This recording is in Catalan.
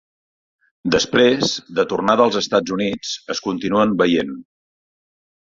Després, de tornada als Estats Units, es continuen veient.